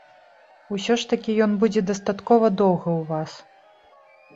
Усё ж такі ён будзе дастаткова доўга ў вас.